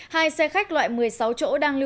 hai xe khách loại một mươi sáu chỗ đang lưu